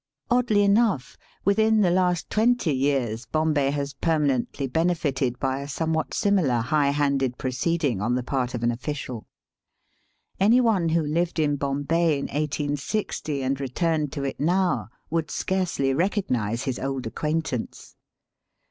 Oddly enough, within the last twenty years Bombay has permanently benefited by Digitized by VjOOQIC 174 EAST BY WEST. a somewhat similar high handed proceeding on the part of an official. Any one who lived in Bombay in 1860, and returned to it now would scarcely recognize his old acquaintance.